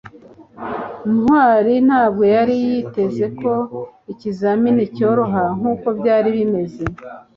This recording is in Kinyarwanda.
ntwali ntabwo yari yiteze ko ikizamini cyoroha nkuko byari bimeze